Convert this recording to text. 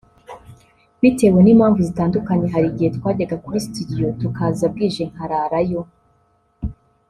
“Bitewe n’impamvu zitandukanye hari igihe twajyaga kuri studio tukaza bwije nkararayo